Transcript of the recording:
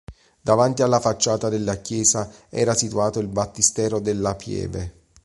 Davanti alla facciata della chiesa era situato il Battistero della pieve.